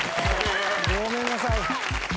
ごめんなさい。